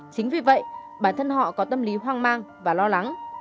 chính vì vậy bản thân họ có tâm lý hoang mang và lo lắng